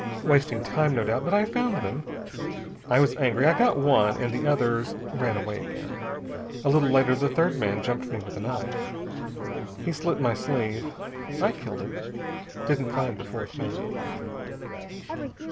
Wasting time, no doubt, but I found them. I was angry. I got one, and the others ran away again. A little later the third man jumped me with a knife. He slit my sleeve. I killed him. Didn't find the fourth man."